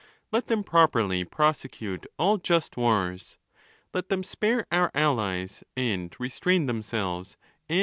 Let them properly prosecute all just wars. Let them spare our allies, and restrain themselves and their